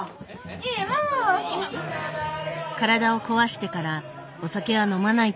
体を壊してからお酒は飲まないというママ。